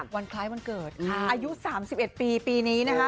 วันคล้ายวันเกิดอายุ๓๑ปีปีนี้นะคะ